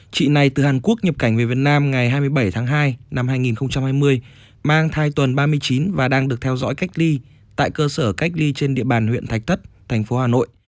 chị này từ hàn quốc nhập cảnh về việt nam ngày hai mươi bảy tháng hai năm hai nghìn hai mươi mang thai tuần ba mươi chín và đang được theo dõi cách ly tại cơ sở cách ly trên địa bàn huyện thạch thất thành phố hà nội